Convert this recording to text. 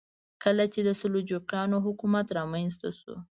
کله چې د سلجوقیانو حکومت رامنځته شو.